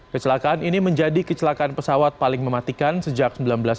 kecelakaan ini menjadi kecelakaan pesawat paling mematikan sejak seribu sembilan ratus sembilan puluh